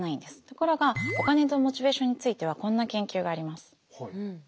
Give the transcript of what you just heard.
ところがお金とモチベーションについてはこんな研究があります。